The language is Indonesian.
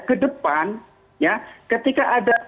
kedepan ya ketika ada